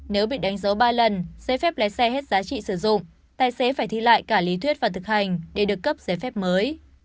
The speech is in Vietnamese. nếu bị đánh dấu ba lần giấy phép lái xe hết giá trị sử dụng tài xế phải thi lại cả lý thuyết và thực hành để được cấp giấy phép mới